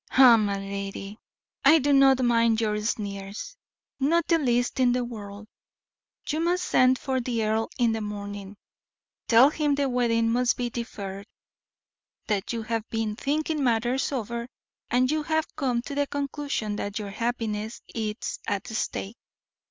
"Ah, my lady, I do not mind your sneers; not the least in the world. You must send for the earl in the morning; tell him the wedding must be deferred, that you have been thinking matters over, and you have come to the conclusion that your happiness is at stake.